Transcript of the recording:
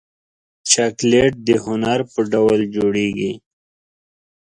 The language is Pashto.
چاکلېټ د هنر په ډول جوړېږي.